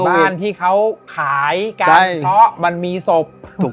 บ้านที่เค้าขายเพราะมันมีศพ